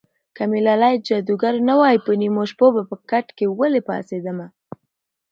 که مې لالی جادوګر نه وای په نیمو شپو به کټ کې ولې پاڅېدمه